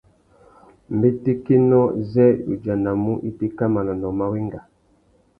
Mbétékénô zê udzanamú itéka manônōh má wenga.